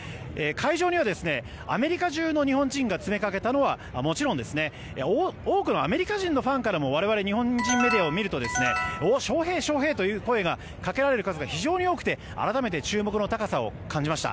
会場にはアメリカ中の日本人が詰めかけたのはもちろん多くのアメリカ人のファンからも我々日本人メディアを見るとお、翔平、翔平と声をかけられる数が多くて改めて注目の高さを感じました。